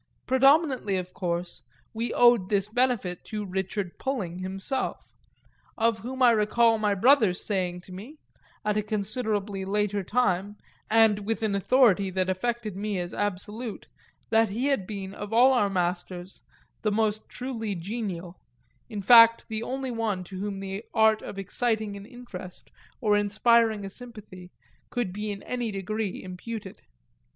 Predominantly of course we owed this benefit to Richard Pulling himself; of whom I recall my brother's saying to me, at a considerably later time, and with an authority that affected me as absolute, that he had been of all our masters the most truly genial, in fact the only one to whom the art of exciting an interest or inspiring a sympathy could be in any degree imputed.